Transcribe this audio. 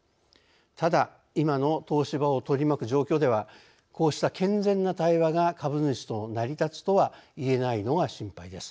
ただ今の東芝を取り巻く状況ではこうした健全な対話が株主と成り立つとはいえないのが心配です。